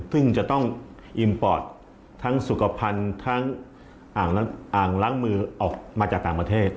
ซึ่งจะต้องอิมปอดทั้งสุขภัณฑ์ทั้งอ่างล้างมือออกมาจากต่างประเทศ